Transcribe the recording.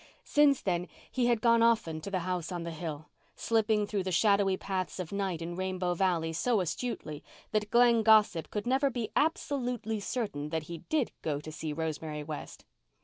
Since then he had gone often to the house on the hill, slipping through the shadowy paths of night in Rainbow Valley so astutely that Glen gossip could never be absolutely certain that he did go to see Rosemary West.